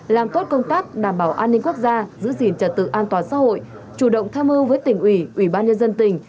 làm tốt công tác đảm bảo an ninh quốc gia giữ gìn trật tự an toàn xã hội chủ động tham mưu với tỉnh ủy ủy ban nhân dân tỉnh